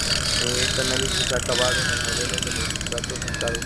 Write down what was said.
Este análisis ha acabado en el "modelo de los estratos" de Carroll.